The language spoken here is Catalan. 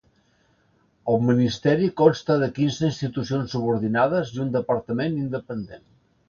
El ministeri consta de quinze institucions subordinades i un departament independent.